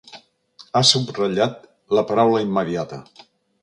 Ha subratllat la paraula immediata.